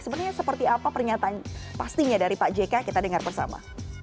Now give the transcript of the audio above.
sebenarnya seperti apa pernyataan pastinya dari pak jk kita dengar bersama